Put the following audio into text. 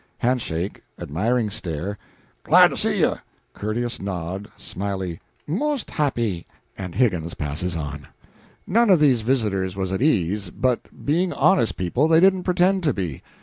Hand shake, admiring stare, "Glad to see ye," courteous nod, smily "Most happy!" and Higgins passes on. None of these visitors was at ease, but, being honest people, they didn't pretend to be.